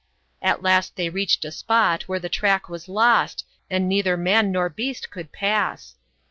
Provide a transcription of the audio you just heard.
At last they reached a spot, where the track was lost and neither man nor beast could pass.